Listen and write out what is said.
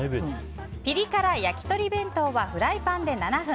ピリ辛焼き鳥弁当はフライパンで７分。